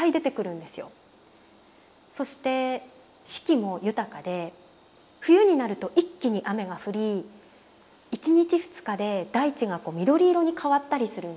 そして四季も豊かで冬になると一気に雨が降り１日２日で大地が緑色に変わったりするんです。